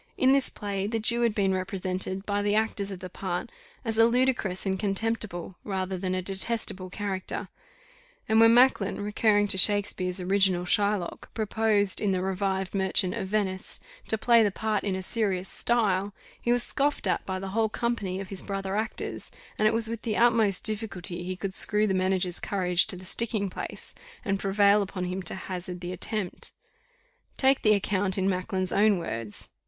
In this play, the Jew had been represented, by the actors of the part, as a ludicrous and contemptible, rather than a detestable character; and when Macklin, recurring to Shakespeare's original Shylock, proposed, in the revived Merchant of Venice, to play the part in a serious style, he was scoffed at by the whole company of his brother actors, and it was with the utmost difficulty he could screw the manager's courage to the sticking place, and prevail upon him to hazard the attempt. Take the account in Macklin's own words.